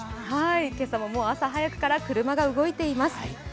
今朝も朝早くから車が動いていますね。